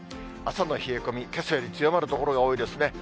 朝の冷え込み、けさより強まる所が多いですね。